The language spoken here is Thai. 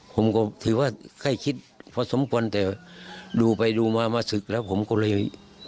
ผมก็ถือว่าไข้คิดพอสมควรแต่ดูไปดูมามาศึกแล้วผมก็เลย